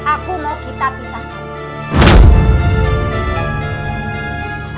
aku mau kita pisahkan